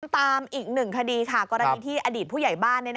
ตามอีกหนึ่งคดีค่ะกรณีที่อดีตผู้ใหญ่บ้าน